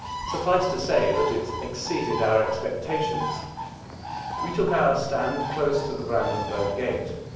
39 Suffice it to say that it exceeded our expecta tions. We took our stand close to the Bran denburg Gate.